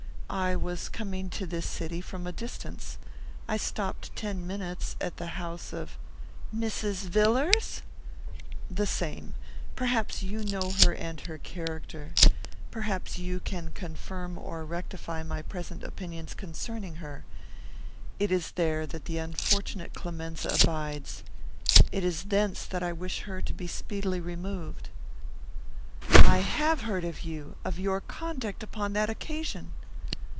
"I was coming to this city from a distance. I stopped ten minutes at the house of " "Mrs. Villars?" "The same. Perhaps you know her and her character. Perhaps you can confirm or rectify my present opinions concerning her. It is there that the unfortunate Clemenza abides. It is thence that I wish her to be speedily removed." "I have heard of you; of your conduct upon that occasion."